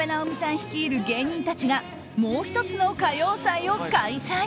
率いる芸人たちがもう１つの歌謡祭を開催。